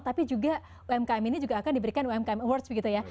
tapi juga umkm ini juga akan diberikan umkm awards begitu ya